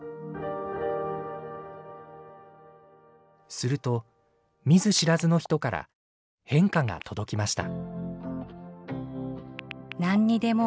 すると見ず知らずの人から返歌が届きました。